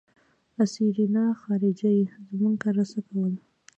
آ سېرېنا خارجۍ زموږ کره څه کول.